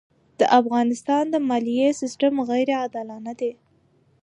د افغانستان د مالیې سېستم غیرې عادلانه دی.